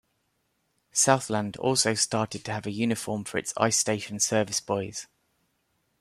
Southland also started to have a uniform for its ice station service boys.